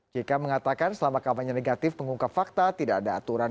jk mengatakan selama kampanye negatif pengungkap fakta tidak ada aturan